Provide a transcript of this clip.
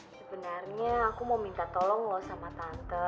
sebenarnya aku mau minta tolong loh sama tante